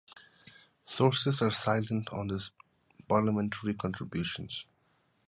Sources are silent on his parliamentary contributions.